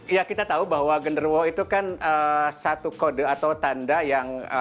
ya kita tahu bahwa genderuwo itu kan satu kode atau tanda yang